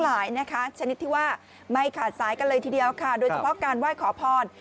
หลายนะคะชนิดที่ว่าไม่ขาดสายกันเลยทีเดียวค่ะโดยเฉพาะการไหว้ขอพร